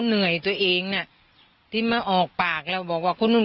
เหนื่อยตัวเองน่ะที่มาออกปากแล้วบอกว่าคนนู้น